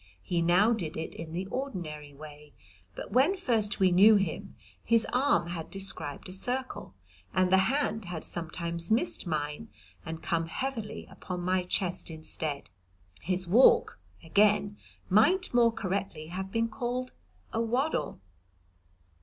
He now did it in the ordinary way, but when first we knew him his arm had described a circle, and the hand had sometimes missed mine and come heavily upon my chest instead. His walk, again, might more correctly have been called a waddle.